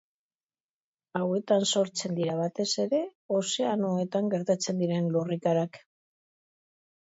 Hauetan sortzen dira, batez ere, ozeanoetan gertatzen diren lurrikarak.